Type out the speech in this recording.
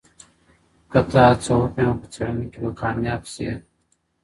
که ته هڅه وکړې نو په څېړنه کي به کامیاب سې.